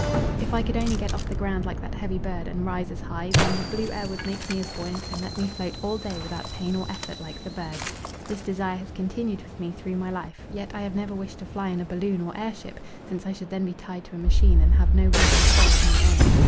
If I could only get off the ground like that heavy bird and rise as high, then the blue air would make me as buoyant and let me float all day without pain or effort like the bird! This desire has continued with me through my life, yet I have never wished to fly in a balloon or airship, since I should then be tied to a machine and have no will or soul of my own.